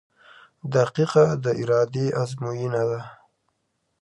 • دقیقه د ارادې ازموینه ده.